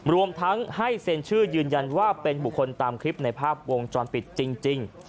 รวมทั้งให้เซ็นชื่อยืนยันว่าเป็นบุคคลตามคลิปในภาพวงจรปิดจริง